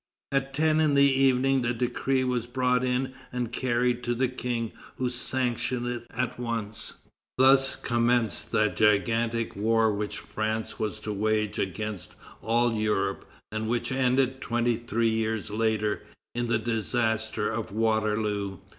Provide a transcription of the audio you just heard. At ten in the evening the decree was brought in and carried to the King, who sanctioned it at once. Thus commenced that gigantic war which France was to wage against all Europe, and which ended, twenty three years later, in the disaster of Waterloo.